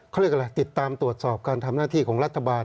เขาเรียกอะไรติดตามตรวจสอบการทำหน้าที่ของรัฐบาล